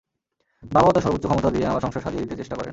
বাবাও তাঁর সর্বোচ্চ ক্ষমতা দিয়ে আমার সংসার সাজিয়ে দিতে চেষ্টা করেন।